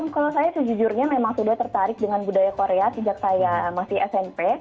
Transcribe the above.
kalau saya sejujurnya memang sudah tertarik dengan budaya korea sejak saya masih smp